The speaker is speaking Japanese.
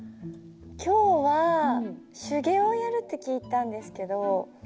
今日は手芸をやるって聞いたんですけど。